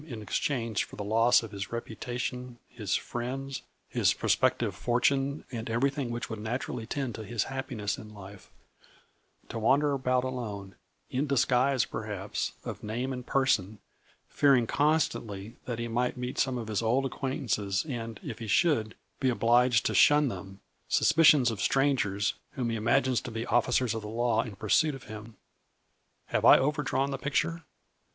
in exchange for the loss of his reputation, his friends, his prospective fortune and everything which would naturally tend to his happiness in life; to wander about alone, in disguise, per haps, of name and person, fearing constantly that he might meet some of his old acquaint ances, and, if he should, be obliged to shun them ; suspicions of strangers, whom he imagines to be officers of the law in pursuit of him ? Have I overdrawn the picture